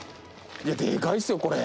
いやでかいっすよこれ。